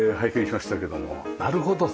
なるほど。